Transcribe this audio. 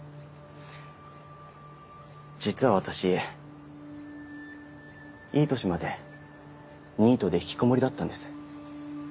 実は私いい年までニートで引きこもりだったんです。